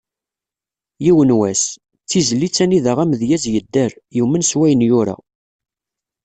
"Yiwen wass", d tizlit anida amedyaz yedder, yumen s wayen yura.